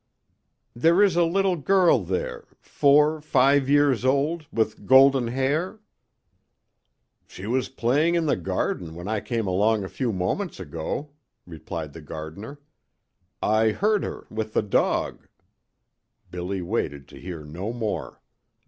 "There is a little girl there four five years old, with golden hair " "She was playing in the garden when I came along a few moments ago," replied the gardener. "I heard her with the dog " Billy waited to hear no more.